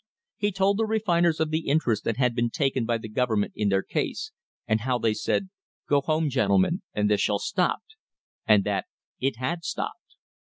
He told the refiners of the interest that had been taken by the government in their case, and how they said, "Go home, gentlemen, and this shall stop," and that it had stopped.